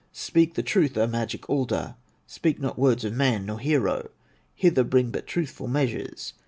Speak the truth, O magic alder, Speak not words of man, nor hero, Hither bring but truthful measures.